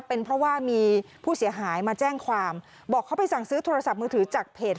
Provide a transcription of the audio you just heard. เป็นเพราะว่ามีผู้เสียหายมาแจ้งความบอกเขาไปสั่งซื้อโทรศัพท์มือถือจากเพจ